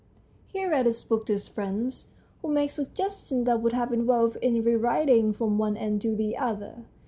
He read his book to his friends, who made suggestions that would have involved its re writing from one end to the other.